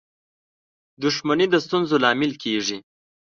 • دښمني د ستونزو لامل کېږي.